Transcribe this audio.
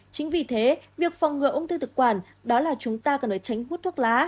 chính vì thế việc phòng ngừa ung thư thực quản đó là chúng ta cần phải tránh hút thuốc lá